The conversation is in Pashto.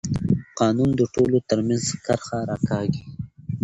قانون د ټولو ترمنځ کرښه راکاږي